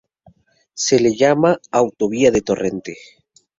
Se le llama Autovía de Torrente.